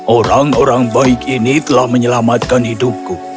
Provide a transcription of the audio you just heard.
orang orang baik ini telah menyelamatkan hidupku